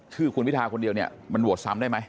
ชื่อคุณพิทาคนเดียวเนี่ยมันโหวตซ้ำได้ไหม